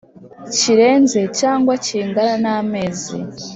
kirenze cyangwa kingana n amezi